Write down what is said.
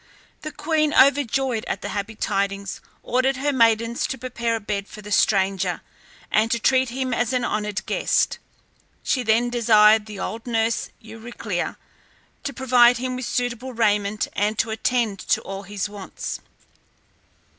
The queen, overjoyed at the happy tidings, ordered her maidens to prepare a bed for the stranger, and to treat him as an honoured guest. She then desired the old nurse Euryclea to provide him with suitable raiment and to attend to all his wants.